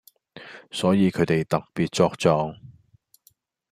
所以佢哋特別作狀⠀